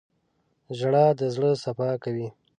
• ژړا د زړه صفا کوي.